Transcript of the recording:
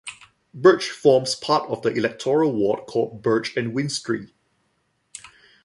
Birch forms part of the electoral ward called Birch and Winstree.